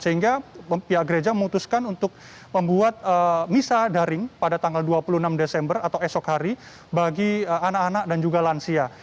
sehingga pihak gereja memutuskan untuk membuat misa daring pada tanggal dua puluh enam desember atau esok hari bagi anak anak dan juga lansia